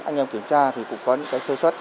anh em kiểm tra thì cũng có những sơ suất